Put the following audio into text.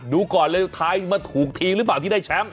ดูก่อนเลยไทยมาถูกทีมหรือเปล่าที่ได้แชมป์